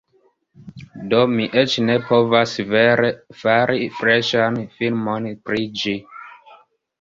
Do, mi eĉ ne povas vere fari freŝan filmon pri ĝi